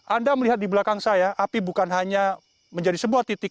anda melihat di belakang saya api bukan hanya menjadi sebuah titik